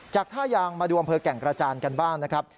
ท่ายางมาดูอำเภอแก่งกระจานกันบ้างนะครับ